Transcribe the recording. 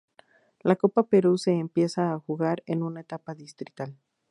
La Copa Perú se empieza a jugar en una etapa distrital.